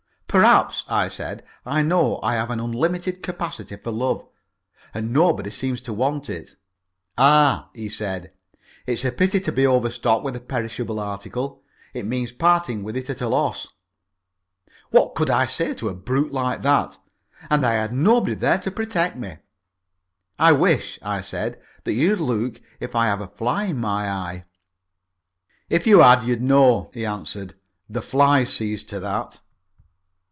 "Perhaps," I said. "I know I have an unlimited capacity for love and nobody seems to want it." "Ah," he said, "it's a pity to be overstocked with a perishable article. It means parting with it at a loss." What could I say to a brute like that? And I had nobody there to protect me. "I wish," I said, "that you'd look if I've a fly in my eye." "If you had, you'd know," he answered. "The fly sees to that."